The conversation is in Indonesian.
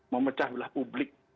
memecah belah publik